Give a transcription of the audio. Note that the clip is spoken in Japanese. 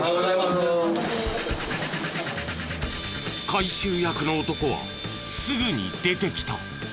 回収役の男はすぐに出てきた。